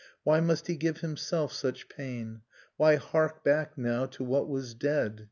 Why must he give himself such pain? Why hark back now to what was dead?